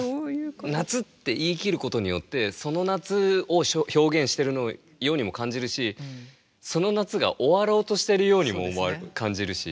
「夏」って言い切ることによってその夏を表現してるようにも感じるしその夏が終わろうとしてるようにも感じるし。